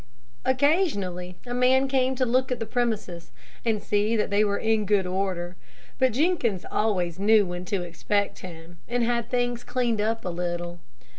Occasionally, a man came to look at the premises, and see that they were in good order, but Jenkins always knew when to expect him, and had things cleaned up a little.